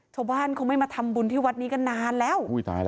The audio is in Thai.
ชาวบ้านเขาไม่มาทำบุญที่วัดนี้กันนานแล้ว